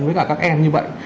với cả các em như vậy